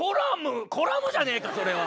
コラムじゃねえかそれは！